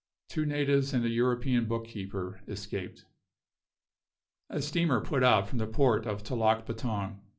Two natives and an European bookkeeper escaped. A steamer put out from the port of Telok Betong.